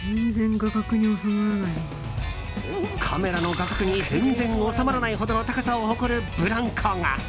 カメラの画角に全然収まらないほどの高さを誇るブランコが。